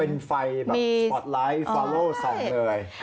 เป็นไฟแบบสปอตไลท์ฟาโลสังเงย